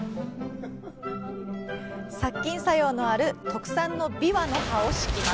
殺菌作用のある特産のびわの葉を敷きます。